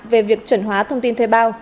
về việc chuẩn hóa thông tin thuê bao